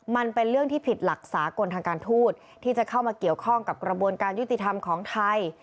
มันเป็นเรื่องที่ผิดหลักสากลทางการทูตที่จะเข้ามาเกี่ยวข้องกับกระบวนการยุติธรรมของไทย